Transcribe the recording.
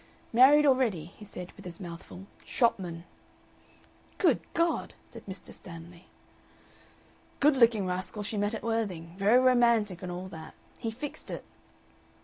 "Married already," he said, with his mouth full. "Shopman." "Good God!" said Mr. Stanley. "Good looking rascal she met at Worthing. Very romantic and all that. He fixed it."